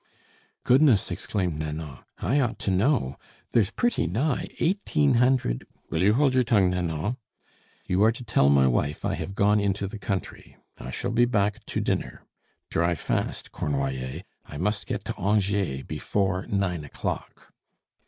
"Goodness!" exclaimed Nanon. "I ought to know! There's pretty nigh eighteen hundred " "Will you hold your tongue, Nanon! You are to tell my wife I have gone into the country. I shall be back to dinner. Drive fast, Cornoiller; I must get to Angers before nine o'clock."